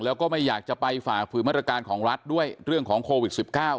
แล้วก็ไม่อยากจะไปฝ่าฝืนมาตรการของรัฐด้วยเรื่องของโควิด๑๙